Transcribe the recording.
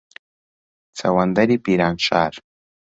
چەوەندەری پیرانشار